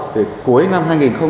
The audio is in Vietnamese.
từ cuối năm hai nghìn một mươi sáu